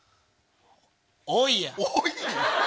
おい、や。